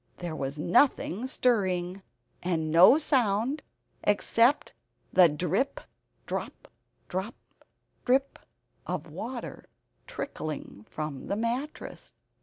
There was nothing stirring, and no sound except the drip, drop, drop, drip, of water trickling from the mattress.